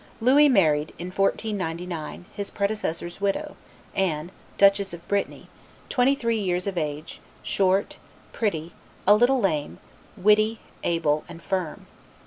Louis married, in 1499, his predecessor's widow, Anne, Duchess of Brittany, twenty three years of age, short, pretty, a little lame, witty, able, and firm.